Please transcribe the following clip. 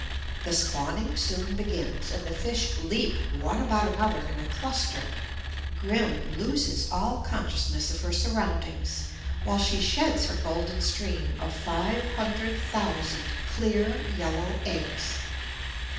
The spawning soon begins, and the fish leap one about another in a cluster; Grim loses all consciousness of her surroundings, while she sheds her golden stream of five hundred thousand clear, yellow eggs.